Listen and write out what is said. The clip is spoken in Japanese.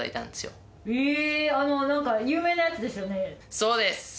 そうです。